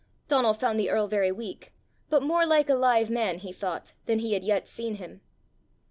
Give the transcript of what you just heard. Donal found the earl very weak, but more like a live man, he thought, than he had yet seen him.